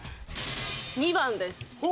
２番です。